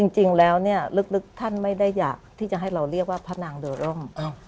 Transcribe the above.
จริงแล้วเนี่ยลึกท่านไม่ได้อยากที่จะให้เราเรียกว่าพระนางโดร่ม